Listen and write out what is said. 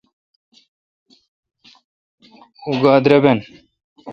اں گاےدربن۔